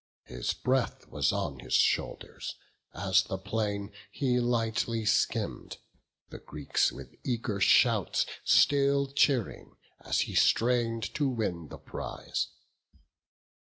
His breath was on his shoulders, as the plain He lightly skimm'd; the Greeks with eager shouts Still cheering, as he strain'd to win the prize.